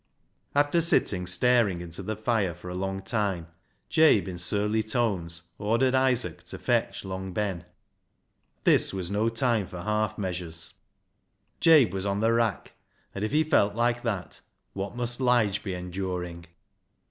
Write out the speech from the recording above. After sitting staring into the fire for a long time, Jabe in surly tones ordered Isaac to fetch Long Ben. This was no time for half measures. Jabe was on the rack, and if he felt like that, what must Lige be enduring.